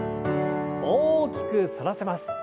大きく反らせます。